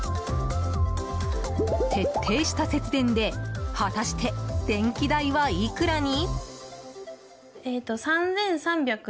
徹底した節電で果たして電気代はいくらに？